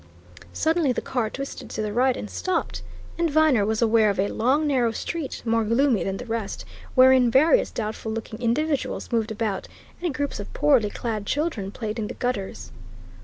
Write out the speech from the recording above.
Suddenly the car twisted to the right and stopped, and Viner was aware of a long, narrow street, more gloomy than the rest, wherein various doubtful looking individuals moved about, and groups of poorly clad children played in the gutters.